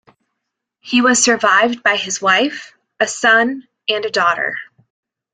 He was survived by his wife, a son and a daughter.